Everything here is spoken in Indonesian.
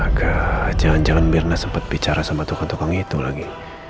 agak jangan jangan mirna sempat bicara sama tukang tukang itu lagi